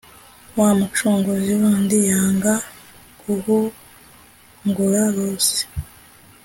wa mucunguzi wundi yanga guhungura rusi